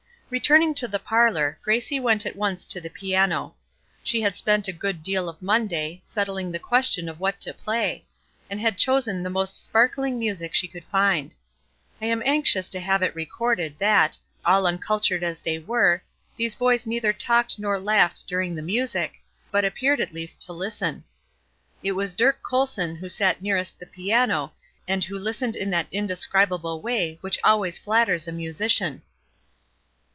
Returning to the parlor, Gracie went at once to the piano. She had spent a good deal of Monday, settling the question of what to play, and had chosen the most sparkling music she could find. I am anxious to have it recorded, that, all uncultured as they were, these boys neither talked nor laughed during the music, but appeared at least to listen. It was Dirk Colton who sat nearest to the piano, and who listened in that indescribable way which always flatters a musician.